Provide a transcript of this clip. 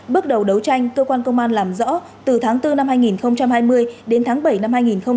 bước đầu đấu tranh cơ quan công an làm rõ từ tháng bốn năm hai nghìn hai mươi đến tháng bảy năm hai nghìn hai mươi